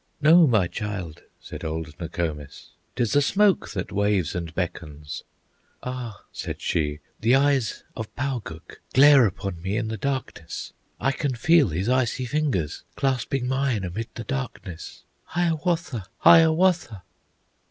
"No, my child!" said old Nokomis. "'T is the smoke, that waves and beckons!" "Ah!" said she, "the eyes of Pauguk Glare upon me in the darkness, I can feel his icy fingers Clasping mine amid the darkness! Hiawatha! Hiawatha!"